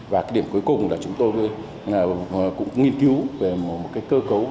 và cái điểm cuối cùng là chúng tôi cũng nghiên cứu về một cơ